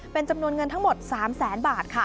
เป็นจำนวนเงินทั้งหมด๓๐๐๐๐๐บาท